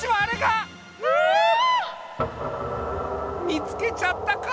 見つけちゃったか！